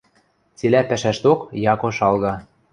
Цилӓ пӓшӓшток Яко шалга.